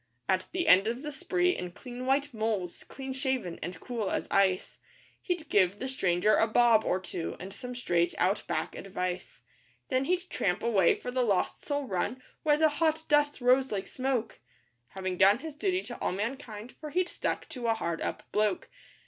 At the end of the spree, in clean white 'moles,' clean shaven, and cool as ice, He'd give the stranger a 'bob' or two, and some straight Out Back advice; Then he'd tramp away for the Lost Soul Run, where the hot dust rose like smoke, Having done his duty to all mankind, for he'd 'stuck to a hard up bloke.